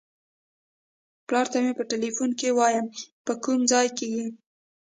پلار ته مې په ټیلیفون کې وایم په کوم ځای کې یې.